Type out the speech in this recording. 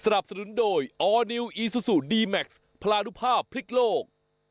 สนับสนุนโดยอ้อนิวอีซูซูดีแมรปราณุภาพพลิกโลก